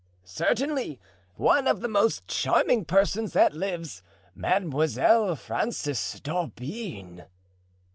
"Certainly; one of the most charming persons that lives—Mademoiselle Frances d'Aubigne."